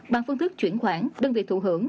bằng phương thức chuyển khoản đơn vị thụ hưởng